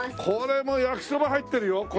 これ焼きそば入ってるよ。